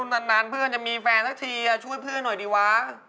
นานเพื่อนจะมีแฟนสักทีช่วยเพื่อนหน่อยดีวะ